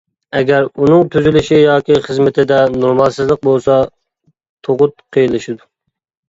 ئەگەر ئۇنىڭ تۈزىلىشى ياكى خىزمىتىدە نورمالسىزلىق بولسا تۇغۇت قىيىنلىشىدۇ.